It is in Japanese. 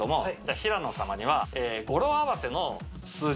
平野様には。